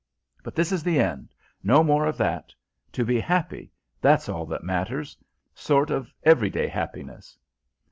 But this is the end; no more of that. To be happy that's all that matters sort of everyday happiness.